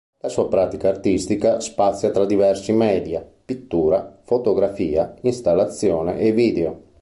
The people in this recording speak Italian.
La sua pratica artistica spazia tra diversi media: pittura, fotografia, installazione e video.